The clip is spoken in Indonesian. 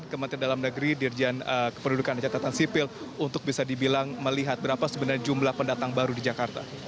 kementerian dalam negeri dirjen kependudukan dan catatan sipil untuk bisa dibilang melihat berapa sebenarnya jumlah pendatang baru di jakarta